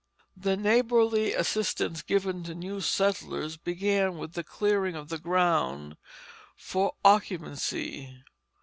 The neighborly assistance given to new settlers began with the clearing of the ground for occupancy.